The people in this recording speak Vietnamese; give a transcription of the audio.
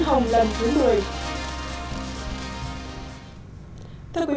khoảng cách lớn từ chính sách đến thước tiễn